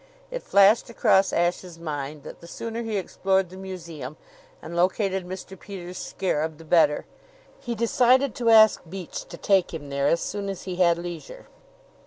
It flashed across Ashe's mind that the sooner he explored the museum and located Mr. Peters' scarab, the better. He decided to ask Beach to take him there as soon as he had leisure.